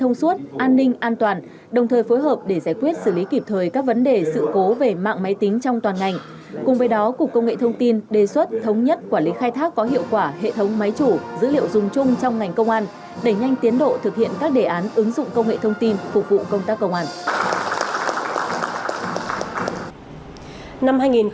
giải quyết xử lý kịp thời các vấn đề sự cố về mạng máy tính trong toàn ngành cùng với đó cục công nghệ thông tin đề xuất thống nhất quản lý khai thác có hiệu quả hệ thống máy chủ dữ liệu dùng chung trong ngành công an đẩy nhanh tiến độ thực hiện các đề án ứng dụng công nghệ thông tin phục vụ công tác công an